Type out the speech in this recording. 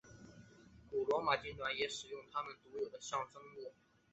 古罗马军团也使用他们独有的象征物。